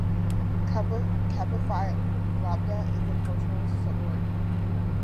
Kappa Phi Lambda is a cultural sorority.